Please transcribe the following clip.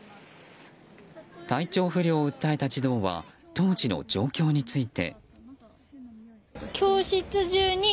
体調不良を訴えた児童は当時の状況について。